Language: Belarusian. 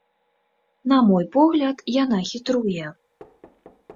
На мой погляд, яна хітруе.